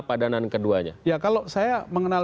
padanan keduanya ya kalau saya mengenal